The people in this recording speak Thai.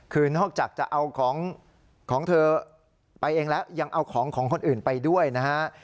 คือนอกจากจะเอาของของเธอไปเองแล้วยังเอาของของคนอื่นไปด้วยนะฮะ